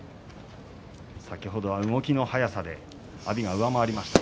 先ほどは動きの速さで阿炎が上回りました。